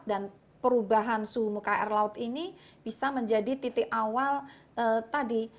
dan perubahan suhu muka air laut ini bisa menjadi titik awal tadi